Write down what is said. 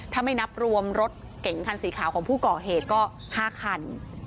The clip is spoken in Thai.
ถ้าไม่นับรวมรถเก่งคันสีขาวของผู้ก่อเหตุก็๕คัน